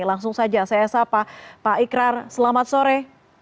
langsung saja saya sapa pak ikrar selamat sore